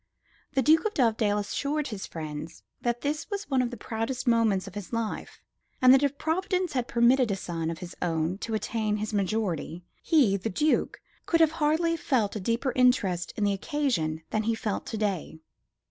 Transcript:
The Duke of Dovedale assured his friends that this was one of the proudest moments of his life, and that if Providence had permitted a son of his own to attain his majority, he, the Duke, could have hardly felt a deeper interest in the occasion than he felt to day.